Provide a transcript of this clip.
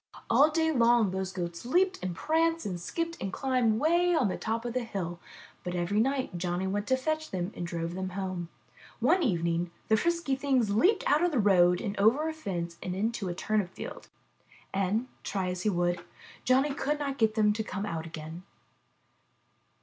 All day long those goats leaped and pranced and skipped and climbed way up on the top of a hill, but every night Johnny went to fetch them and drove them home. One evening the frisky things leaped out of the road and over a fence and into a turnip field, and, try as he would, Johnny could not get them to come out again.'